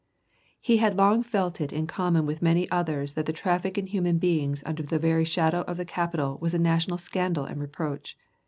He had long felt in common with many others that the traffic in human beings under the very shadow of the Capitol was a national scandal and reproach.